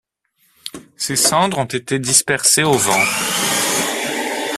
Ses cendres ont été dispersées au vent.